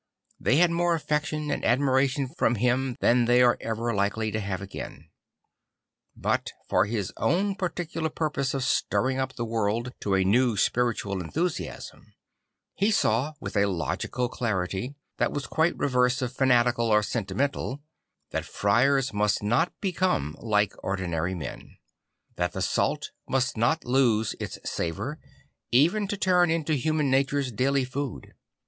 They had more affection and admiration from him than they are ever likely to have again. But for his own particular purpose of stirring up the world to a new spiritual enthusiasm, he saw with a logical clarity that was quite reverse of fanatical or sentimental, that friars must not become like ordinary men; that the salt must not lose its savour even to turn into human nature's daily food.